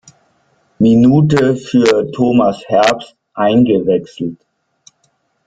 Minute für Thomas Herbst eingewechselt.